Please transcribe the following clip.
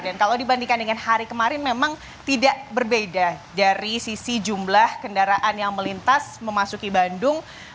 dan kalau dibandingkan dengan hari kemarin memang tidak berbeda dari sisi jumlah kendaraan yang melintas memasuki bandung